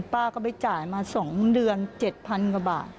ป้าก็ไปจ่ายมา๒เดือน๗๐๐กว่าบาท